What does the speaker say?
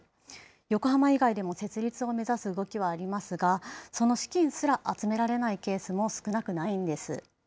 横浜以外でも設立を目指す動きはありますが、その資金すら集められないケースも少なくないんです。